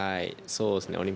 そうですね。